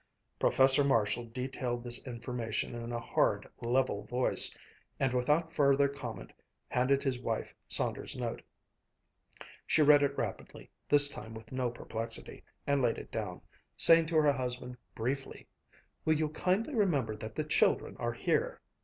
Professor Marshall detailed this information in a hard, level voice, and without further comment handed his wife Saunders' note. She read it rapidly, this time with no perplexity, and laid it down, saying to her husband, briefly, "Will you kindly remember that the children are here?"